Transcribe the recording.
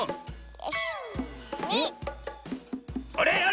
あれ？